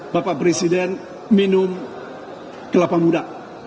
bapak presiden minum kelapa muda